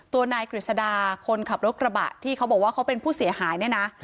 นายกฤษดาคนขับรถกระบะที่เขาบอกว่าเขาเป็นผู้เสียหายเนี่ยนะ